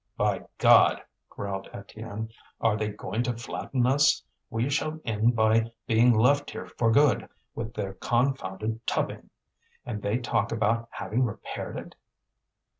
"By God!" growled Étienne, "are they going to flatten us? We shall end by being left here for good, with their confounded tubbing. And they talk about having repaired it!"